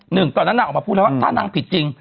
หนึ่งตอนนั้นนางออกมาพูดแล้วว่าถ้านางผิดจริง